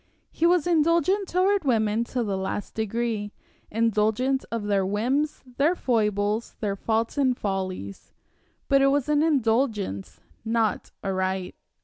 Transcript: He was indulgent toward women to the last degree indulgent of their whims, their foibles, their faults and follies; but it was an indulgence, not a right.